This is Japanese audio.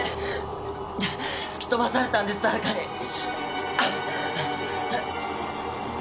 突き飛ばされたんです誰かに。